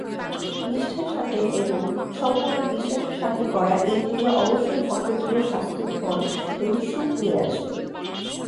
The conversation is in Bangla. নিষ্ঠার সাথে এবং সম্পূর্ণ বিশ্বাসের সাথে করা এই পূজা অবশ্যই ভক্তের জন্য স্বাস্থ্য, ধন এবং সুখ নিয়ে আসবে।